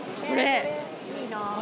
これ？